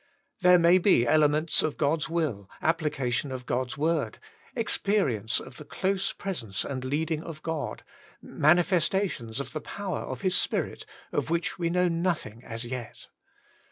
There may be elements of God's will, application of God's word, experience of the close presence and leading of God, mani festations of the power of His Spirit, of which we know nothing as yet.